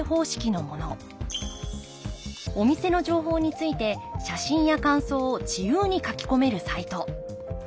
お店の情報について写真や感想を自由に書き込めるサイト。